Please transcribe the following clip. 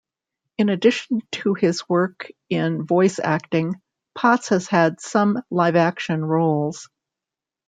In addition to his work in voice acting, Potts has had some live-action roles.